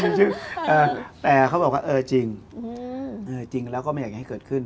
ไม่มีชื่อแต่เหรอบอกว่าจริงแล้วก็มีอยากให้เกิดขึ้น